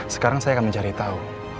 sekarang saya akan mencari tahu